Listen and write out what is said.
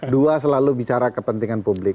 dua selalu bicara kepentingan publik